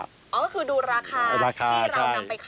ก็คือดูราคาที่เรานำไปขาย